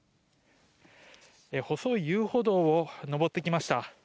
細い遊歩道を上ってきました。